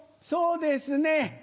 そうですね。